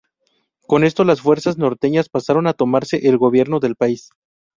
Con esto las fuerzas norteñas pasaron a tomarse el gobierno del país.